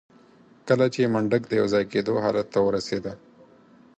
کله چې منډک د يوځای کېدو حالت ته ورسېده.